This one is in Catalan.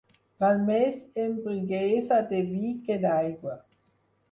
Val més embriaguesa de vi que d'aigua.